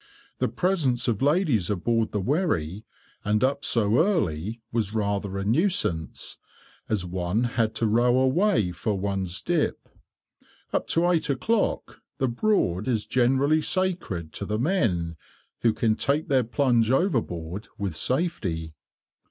The presence of ladies aboard the wherry, and up so early, was rather a nuisance, as one had to row away for one's dip. Up to eight o'clock, the Broad is generally sacred to the men, who can take their plunge overboard with safety.